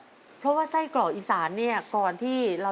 ขอเชยคุณพ่อสนอกขึ้นมาต่อชีวิตเป็นคนต่อไปครับ